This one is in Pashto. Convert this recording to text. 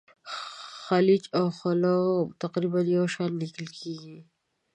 خلج او خُلُّخ تقریبا یو شان لیکل کیږي.